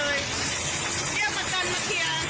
เรียกประกันมาเคลียร์